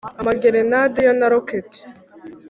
amagerenade yo na rokete